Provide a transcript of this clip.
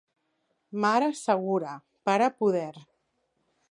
Mare, segura; pare, poder.